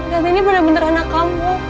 dan ini bener bener anak kamu